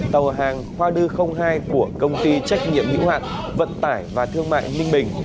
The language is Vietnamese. tàu hàng hoa lư hai của công ty trách nhiệm những hoạt vận tải và thương mại ninh bình